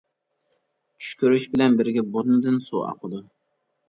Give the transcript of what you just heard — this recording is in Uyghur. چۈشكۈرۈش بىلەن بىرگە بۇرنىدىن سۇ ئاقىدۇ.